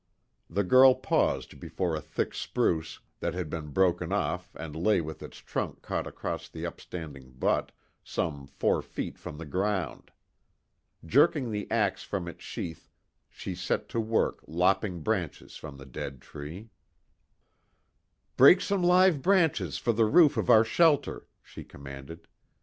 The girl paused before a thick spruce, that had been broken off and lay with its trunk caught across the upstanding butt, some four feet from the ground. Jerking the ax from its sheath she set to work lopping branches from the dead tree. "Break some live branches for the roof of our shelter!" she commanded.